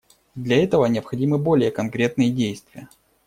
Для этого необходимы более конкретные действия.